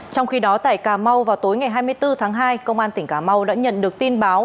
trong khi đó tại cà mau vào tối ngày hai mươi bốn tháng hai công an tỉnh cà mau đã nhận được tin báo